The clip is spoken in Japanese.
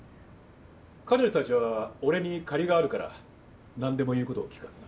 彼女たちは俺に借りがあるからなんでも言うことを聞くはずだ。